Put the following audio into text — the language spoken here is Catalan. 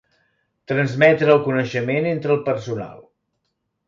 Transmetre el coneixement entre el personal.